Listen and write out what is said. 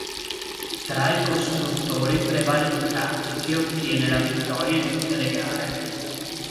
Tra i costruttori prevale Ducati che ottiene la vittoria in tutte le gare.